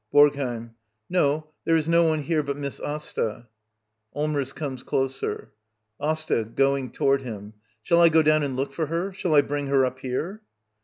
Borgheim. No; there is no one here but Miss Asta. [Allmers comes closer.] Asta. [Going toward him.] Shall I go down and look for her? Shall I bring her up here?